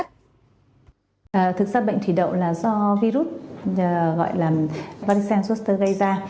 thực ra bệnh thủy đậu là do virus gọi là varicose cluster gây ra